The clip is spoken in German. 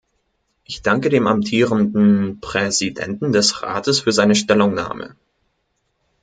Ich danke dem amtierenden Präsidenten des Rates für seine Stellungnahme.